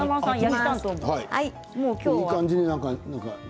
いい感じに。